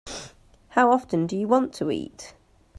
How often do you want to eat?